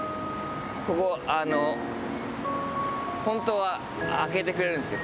ここあの本当は開けてくれるんすよ